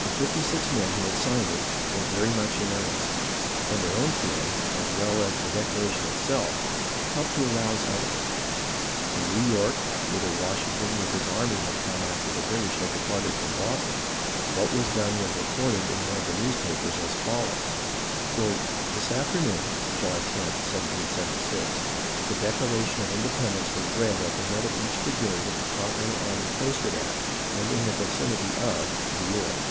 The fifty six men who had signed it were very much in earnest, and their own feehng, as well as the declaration itself, helped to arouse others. In New York, whither Washington with his army had come after the British had departed from Boston, what was done was recorded in one of the newspapers as fol lows: " This afternoon (July 10, 1776) the Declaration of Independence was read at the head of each brigade of the Continental army posted at, and in the vicinity of, New York.